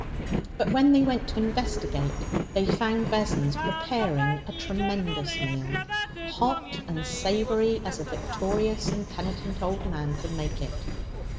But when they went to investigate, they found Vessons preparing a tremendous meal, hot and savoury as a victorious and penitent old man could make it.